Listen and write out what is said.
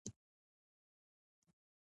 ایا تاسو د جمعې په ورځ یاست؟